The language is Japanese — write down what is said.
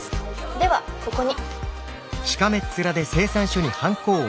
ではここに。